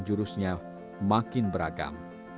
jurusnya makin beragam